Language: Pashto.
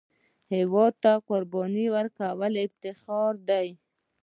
هېواد ته قرباني ورکول افتخار دی